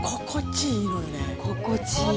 心地いい。